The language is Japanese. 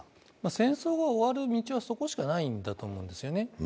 戦争が終わる道は、そこしかないんだと思うんですよね。